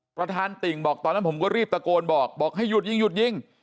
ประธานติ่งบอกตอนนั้นผมก็รีบตะโกนบอกบอกให้หยุดยิงหยุดยิง